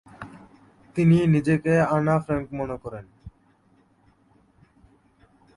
তিনি নিজেকে আজকের আন ফ্রাংক হিসাবে মনে করেন।